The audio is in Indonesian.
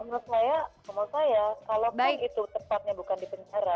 menurut saya kalau itu tepatnya bukan di penjara